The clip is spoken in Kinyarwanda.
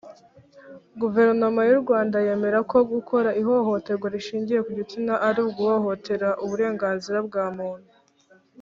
guverinoma y’u rwanda yemera ko gukora ihohoterwa rishingiye ku gitsina ari uguhohotera uburenganzira bwa muntu